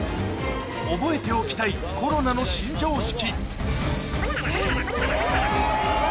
覚えておきたいコロナの新常識